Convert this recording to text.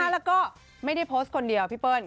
แล้วก็ไม่ได้โพสต์คนเดียวพี่เปิ้ล